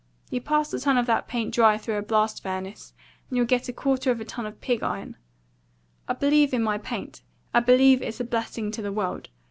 You pass a ton of that paint dry through a blast furnace, and you'll get a quarter of a ton of pig iron. I believe in my paint. I believe it's a blessing to the world.